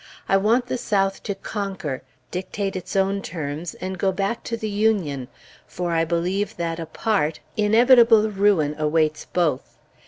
I want the South to conquer, dictate its own terms, and go back to the Union, for I believe that, apart, inevitable ruin awaits both.